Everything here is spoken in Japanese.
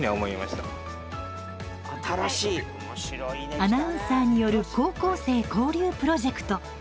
アナウンサーによる高校生交流プロジェクト。